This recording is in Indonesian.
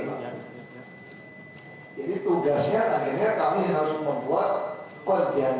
jadi tugasnya akhirnya kami harus membuat perjanjian kerjasama